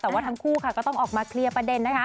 แต่ว่าทั้งคู่ก็ต้องออกมาเคลียร์ประเด็นนะคะ